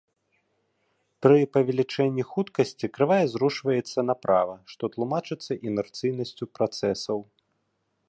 Пры павелічэнні хуткасці крывая зрушваецца направа, што тлумачыцца інерцыйнасцю працэсаў.